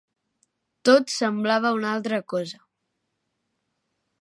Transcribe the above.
Tot semblava una altra cosa.